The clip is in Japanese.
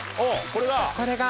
これが？